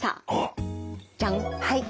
はい。